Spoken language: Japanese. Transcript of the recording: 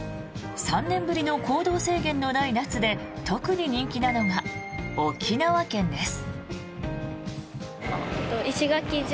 ３年ぶりの行動制限のない夏で特に人気なのが沖縄県です。